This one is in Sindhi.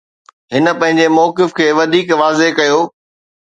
هن پنهنجي موقف کي وڌيڪ واضح ڪيو.